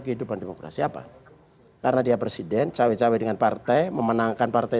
kehidupan demokrasi apa karena dia presiden cawe cawe dengan partai memenangkan partai